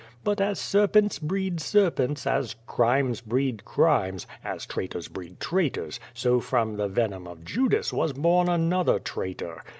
But as serpents breed serpents, as crimes breed crimes, as traitors breed traitors, so from the venom of Judas was bom another traitor.